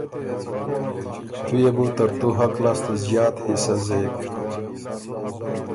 تُو يې بُو ترتُو حق لاسته ݫات حصه زېک،